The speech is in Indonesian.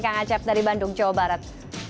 kang acep dari bandung jawa barat